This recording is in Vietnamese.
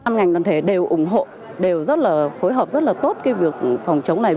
ban ngành đoàn thể đều ủng hộ đều rất là phối hợp rất là tốt cái việc phòng chống này